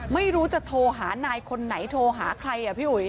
ไม่รู้จะโทรหานายคนไหนโทรหาใครอ่ะพี่อุ๋ย